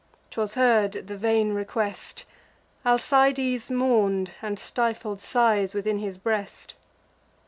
'Twas heard, the vain request; Alcides mourn'd, and stifled sighs within his breast.